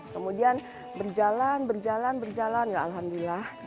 kemudian berjalan berjalan ya alhamdulillah